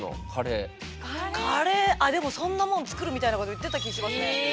カレーあっでもそんなもん作るみたいなこと言ってた気しますね。